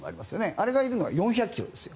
あれがいるのは４００ｋｍですよ。